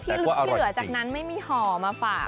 เผื่อจากนั้นไม่มีห่อมาฝาก